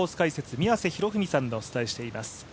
宮瀬博文さんでお伝えしています。